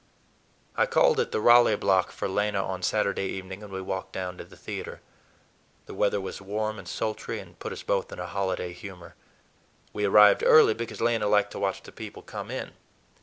I called at the Raleigh Block for Lena on Saturday evening, and we walked down to the theater. The weather was warm and sultry and put us both in a holiday humor. We arrived early, because Lena liked to watch the people come in.